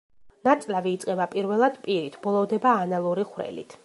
ნაწლავი იწყება პირველად პირით, ბოლოვდება ანალური ხვრელით.